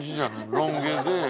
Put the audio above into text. ロン毛で。